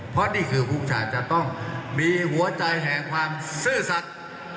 เพราะนี่คือภูมิชาจะต้องมีหัวใจแห่งความซื่อสัตว์